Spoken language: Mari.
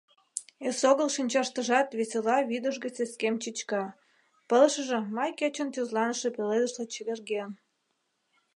Эсогыл шинчаштыжат весела вӱдыжгӧ сескем чӱчка, пылышыже май кечын тӱзланыше пеледышла чеверген.